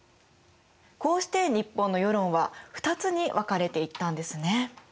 こうして日本の世論は２つに分かれていったんですね。